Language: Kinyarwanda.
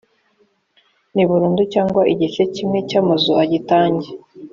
ni burundu cyangwa igice kimwe cyamazu agitange